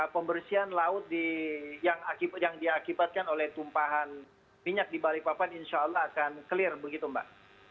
pembersihan laut yang diakibatkan oleh tumpahan minyak di balikpapan insya allah akan clear begitu mbak